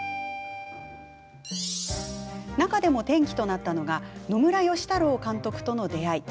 中でも、転機となったのが野村芳太郎監督との出会い。